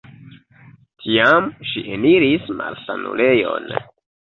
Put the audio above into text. Tiam ŝi eniris malsanulejon.